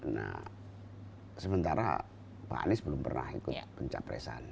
nah sementara pak anies belum pernah ikut pencapresan